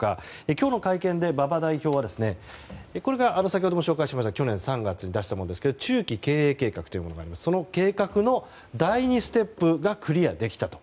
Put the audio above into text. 今日の会見で馬場代表はこれが先ほどご紹介しました３月に出したものですが中期経営計画がありましてその計画の第２ステップがクリアできたと。